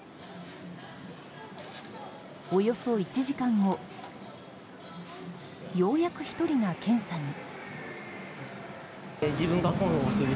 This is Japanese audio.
およそ１時間後ようやく１人が検査に。